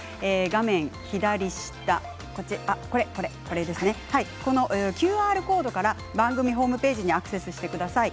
画面左下のＱＲコードから番組ホームページにアクセスしてください。